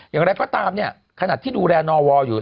อย่างไรก็ตามเนี่ยขนาดที่ดูแลนอวอยู่